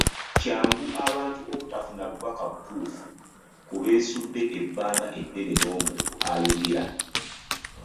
Kyangu abantu obutafuna bubaka butuufu ku beesudde ebbanga eddene n’omuntu ayogera.